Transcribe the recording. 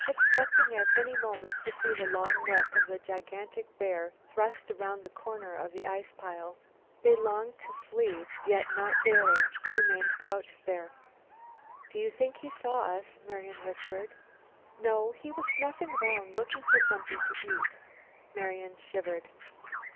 Expecting at any moment to see the long neck of the gigantic beast thrust around the corner of the ice pile, they longed to flee, yet, not daring, remained crouching there. "Do you think he saw us?" Marian whispered. "No. He was snuffing around looking for something to eat." Marian shivered.